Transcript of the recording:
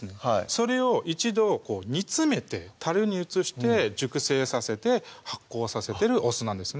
それを一度こう煮つめてに移して熟成させて発酵させてるお酢なんですね